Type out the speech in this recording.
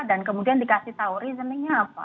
dan kemudian dikasih tahu reasoning nya apa